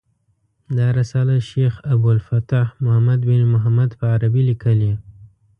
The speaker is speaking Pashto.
دا رساله شیخ ابو الفتح محمد بن محمد په عربي لیکلې.